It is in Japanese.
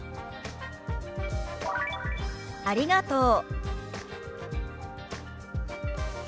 「ありがとう」。